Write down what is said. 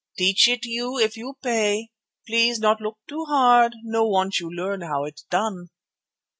Teach it you if you pay. Please not look too hard, no want you learn how it done.